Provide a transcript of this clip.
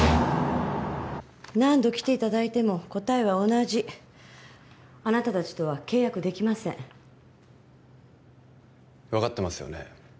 何度来ていただいても答えは同じあなた達とは契約できません分かってますよね？